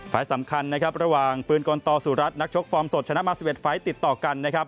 ฝ่ายสำคัญระหว่างปืนกลตอศุรัสตร์